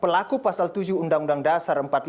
pelaku pasal tujuh undang undang dasar empat puluh lima